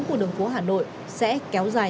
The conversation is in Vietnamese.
của đường phố hà nội sẽ kéo dài